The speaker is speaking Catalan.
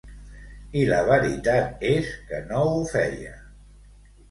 I la veritat és que no ho feia.